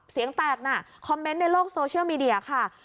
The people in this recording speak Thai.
เสียงแตกน่ะคอมเมนต์ในโลกโซเชียลมีเดียค่ะ